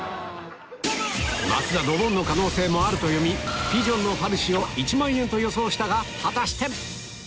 増田ドボンの可能性もあると読みピジョンのファルシを１万円と予想したが果たして？